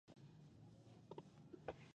د سالنګ تونل بیا رغونه د تګ راتګ اسانتیا ده.